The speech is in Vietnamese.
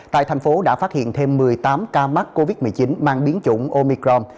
tại thành phố đã phát hiện thêm một mươi tám ca mắc covid một mươi chín mang biến chủng omicrom